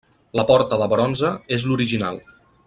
La porta de bronze és l'original.